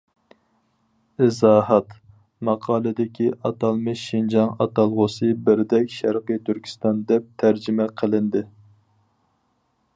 ئىزاھات: ماقالىدىكى ئاتالمىش « شىنجاڭ» ئاتالغۇسى بىردەك «شەرقىي تۈركىستان» دەپ تەرجىمە قىلىندى.